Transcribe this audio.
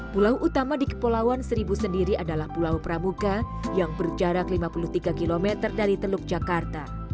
pulau utama di kepulauan seribu sendiri adalah pulau pramuka yang berjarak lima puluh tiga km dari teluk jakarta